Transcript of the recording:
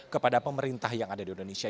kepada pemerintah yang ada di indonesia